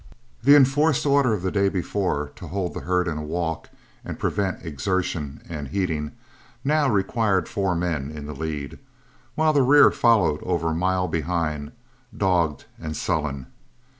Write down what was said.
The enforced order of the day before to hold the herd in a walk and prevent exertion and heating now required four men in the lead, while the rear followed over a mile behind, dogged and sullen.